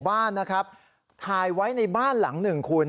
บ้านนะครับถ่ายไว้ในบ้านหลังหนึ่งคุณ